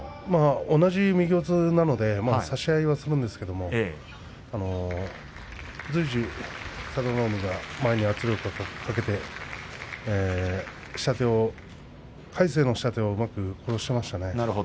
同じ右四つなので差し合いはするんですけど随時、佐田の海が前に圧力をかけて魁聖の下手をうまく殺していましたね。